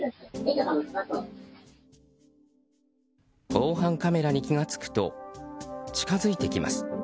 防犯カメラに気が付くと近づいてきます。